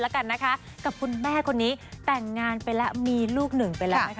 กับคุณแม่คนนี้แต่นมีลูกหนึ่งไปแล้ว